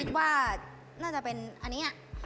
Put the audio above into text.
คือก็น่าจะเป็นอันนี้อะ